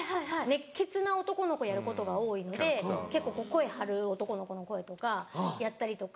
熱血な男の子やることが多いので結構声張る男の子の声とかやったりとか。